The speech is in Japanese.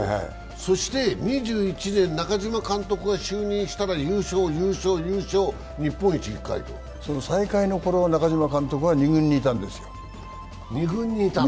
そして２１年に中嶋監督が就任したら優勝、優勝、優勝、再開のころは中嶋監督は２軍にいたんですよ。